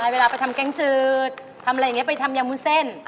เวลาไปทำแกงจืดทำอะไรอย่างนี้ไปทำยำวุ้นเส้น